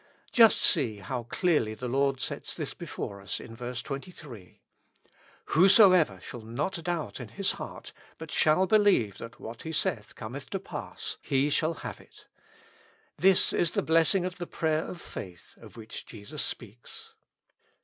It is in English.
Just see how clearly the Lord sets this before us in verse 23: "Whosoever shall not doubt in his heart, but shall believe that what he saith cometh to pass, he shall have it." This is the blessing of the prayer of faith of which Jesus speaks.